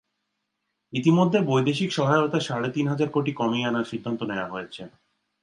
ইতিমধ্যে বৈদেশিক সহায়তা সাড়ে তিন হাজার কোটি কমিয়ে আনার সিদ্ধান্ত নেওয়া হয়েছে।